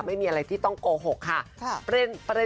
พิมค่อนข้างที่จะมั่นใจในทุกอย่างที่พิมพูด